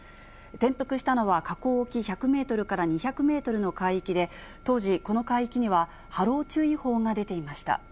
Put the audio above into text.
転覆したのは、河口沖１００メートルから２００メートルの海域で、当時、この海域には波浪注意報が出ていました。